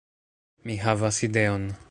Mi havas ideon